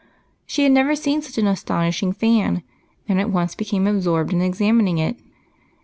She had never seen such an astonishing fan, and at once became absorbed in examining it.